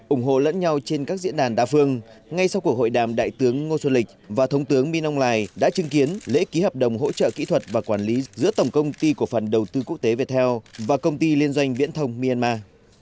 ủng hộ lẫn nhau trên các diễn đàn đa phương ngay sau cuộc hội đàm đại tướng ngô xuân lịch và thống tướng minh âu lài đã chứng kiến lễ ký hợp đồng hỗ trợ kỹ thuật và quản lý giữa tổng công ty cổ phần đầu tư quốc tế viettel và công ty liên doanh viễn thông myanmar